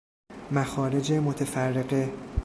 مخارج متفرقه